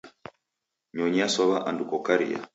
Nyonyi yasow'a andu kokaria.